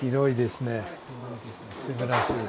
すばらしい。